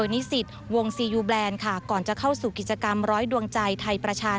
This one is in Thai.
นิสิตวงซียูแบรนด์ค่ะก่อนจะเข้าสู่กิจกรรมร้อยดวงใจไทยประชา